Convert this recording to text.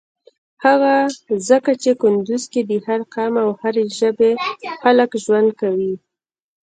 هغه ځکه چی کندوز کی د هر قام او هری ژبی خلک ژوند کویی.